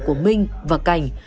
của minh và cảnh